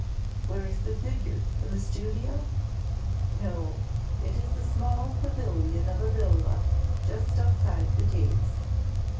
"Where is the figure, in the studio?" "No; it is in a small pavilion of a villa just outside the gates.